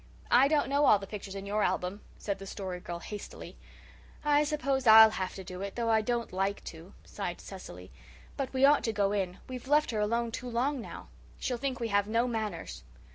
"I don't know all the pictures in your album," said the Story Girl hastily. "I s'pose I'll have to do it, though I don't like to," sighed Cecily. "But we ought to go in. We've left her alone too long now. She'll think we have no manners."